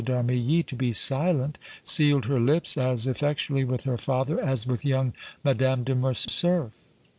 d' Armilly to be silent sealed her lips as effectually with her father as with young Madame de Morcerf.